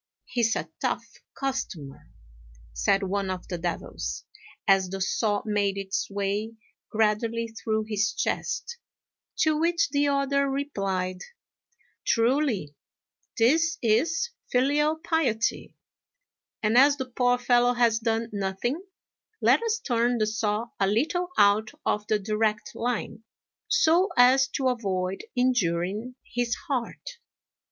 "He's a tough customer," said one of the devils, as the saw made its way gradually through his chest; to which the other replied, "Truly, this is filial piety; and, as the poor fellow has done nothing, let us turn the saw a little out of the direct line, so as to avoid injuring his heart."